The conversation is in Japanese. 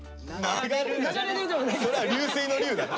それは流水の「流」だろ。